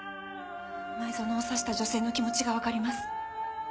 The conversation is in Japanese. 前薗を刺した女性の気持ちが分かります。